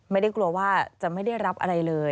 ไม่ได้กลัวว่าจะไม่ได้รับอะไรเลย